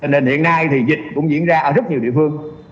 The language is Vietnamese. nên hiện nay thì dịch cũng diễn ra ở rất nhiều địa phương